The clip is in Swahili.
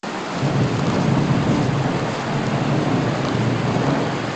mrefu Na Wanasayansi hawajui Jinsi Mti mpya